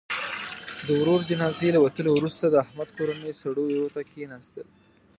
د ورور جنازې له وتلو وروسته، د احمد کورنۍ سړو ایرو ته کېناستل.